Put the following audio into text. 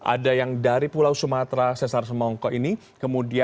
ada yang dari pulau sumatera sesar semongko ini